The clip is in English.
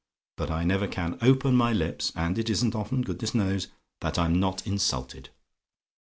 But I never can open my lips and it isn't often, goodness knows! that I'm not insulted.